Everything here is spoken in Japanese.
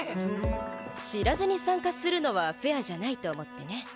知らずに参加するのはフェアじゃないと思ってね。